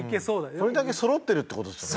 これだけそろってるって事ですよね。